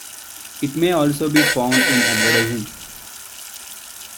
It may also be found in advertising.